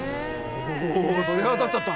お鳥肌立っちゃった。